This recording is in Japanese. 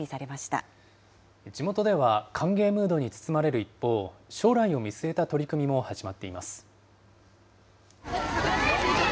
地元では、歓迎ムードに包まれる一方、将来を見据えた取り組みも始まっています。